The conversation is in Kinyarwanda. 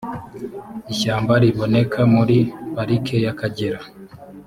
ishyamba riboneka muri parike y’akagera